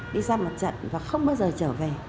đi ra mặt trận và không bao giờ trở về